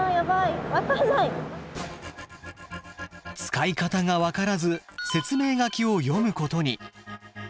使い方が分からず説明書きを読むことに。